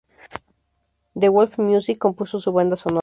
De Wolfe Music compuso su banda sonora.